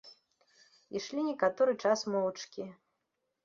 Ішлі некаторы час моўчкі.